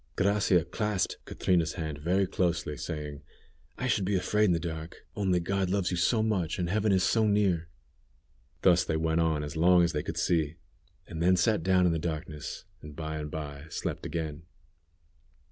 Gracia clasped Catrina's hand very closely, saying: "I should be afraid in the dark, only God loves you so much, and heaven is so near." Thus they went on as long as they could see, and then sat down in the darkness, and by and by slept again.